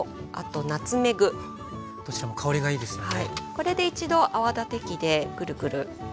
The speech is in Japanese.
これで一度泡立て器でぐるぐる。